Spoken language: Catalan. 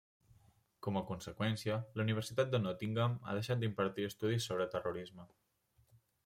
Com a conseqüència, la Universitat de Nottingham ha deixat d'impartir estudis sobre terrorisme.